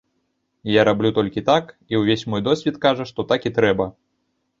Я раблю толькі так, і ўвесь мой досвед кажа, што так і трэба.